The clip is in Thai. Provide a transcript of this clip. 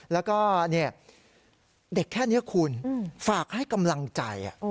แล้วก็เด็กแค่นี้คุณฝากให้กำลังใจ